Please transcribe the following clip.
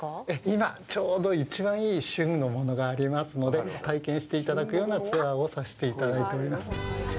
今ちょうど一番いい旬のものがありますので体験していただくようなツアーをさせていただいております。